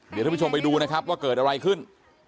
เดี๋ยวท่านผู้ชมไปดูนะครับว่าเกิดอะไรขึ้น